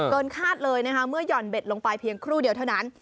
คาดเลยนะคะเมื่อหย่อนเบ็ดลงไปเพียงครู่เดียวเท่านั้น